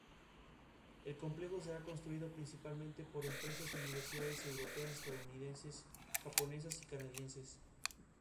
Posteriormente se nombró por Filoctetes, un personaje de la mitología griega.